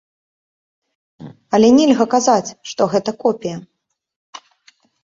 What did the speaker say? Але нельга казаць, што гэта копія.